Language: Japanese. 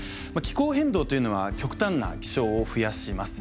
気候変動というのは極端な気象を増やします。